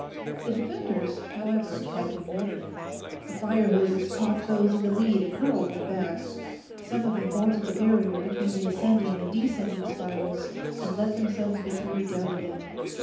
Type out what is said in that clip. The defenders, however, had been ready: the fire hoses caught those in the lead and hurled them back. Some of them vaulted the barrier between the ascending and descending spirals and let themselves be carried down again.